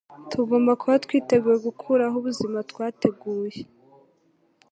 Tugomba kuba twiteguye gukuraho ubuzima twateguye,